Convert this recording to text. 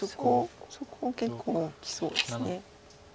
そこ結構大きそうです。